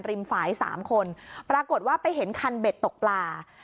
ริมฝ่ายทั้งจานสามคนมาปรากฎว่าไปเห็นคันเบ็ดตกปลา